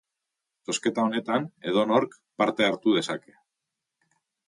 Zozketa honetan edonork parte hartu dezake.